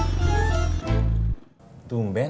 ibu sudah menelepon